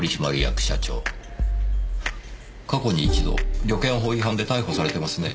過去に一度旅券法違反で逮捕されてますね。